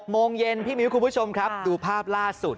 โมงเย็นพี่มิ้วคุณผู้ชมครับดูภาพล่าสุด